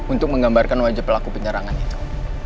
untuk menggambarkan wajah pelaku penyerangan itu